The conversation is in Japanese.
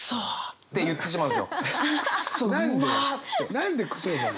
何で「クソ」になるの？